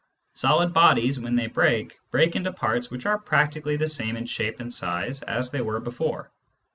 Solid bodies, when they break, break into parts which are practically the same in shape and size as they were before.